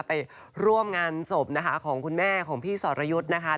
ไปร่วมงานศพนะคะของคุณแม่ของพี่สรยุทธ์นะคะ